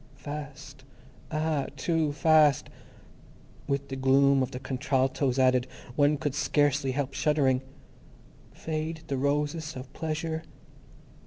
Fast! Ah, too Fast. With the gloom of the contraltos added, one could scarcely help shuddering. _Fade the Roses of Pleasure.